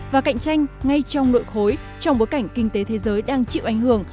và cạnh tranh ngay trong nội khối trong bối cảnh kinh tế thế giới đang chịu ảnh hưởng